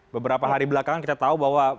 beberapa hari belakangan kita tahu bahwa